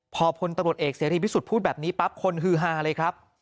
พอพลตำรวจเอกเสรีพิสุทธิ์พูดแบบนี้ปั๊บคนฮือฮาเลยครับ